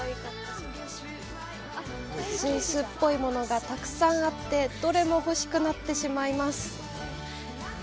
スイスっぽいものがたくさんあって、どれも欲しくなってしまいます。